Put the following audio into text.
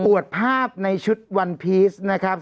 วดภาพในชุดวันพีชนะครับ